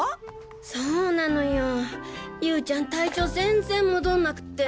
そうなのよ優ちゃん体調ぜんぜん戻んなくて。